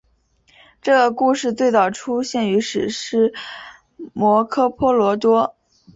这个故事最早出现于史诗摩诃婆罗多。